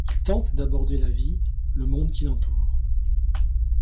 Il tente d’aborder la vie, le monde qui l’entoure.